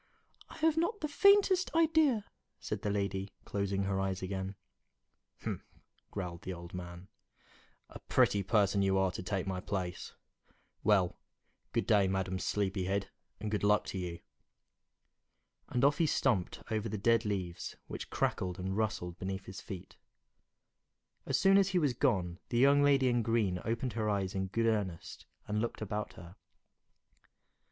"I have not the faintest idea," said the lady, closing her eyes again. "Humph!" growled the old man, "a pretty person you are to take my place! Well, good day, Madam Sleepyhead, and good luck to you!" And off he stumped over the dead leaves, which crackled and rustled beneath his feet. As soon as he was gone, the young lady in green opened her eyes in good earnest and looked about her.